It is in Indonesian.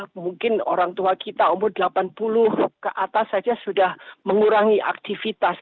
mungkin orang tua kita umur delapan puluh ke atas saja sudah mengurangi aktivitas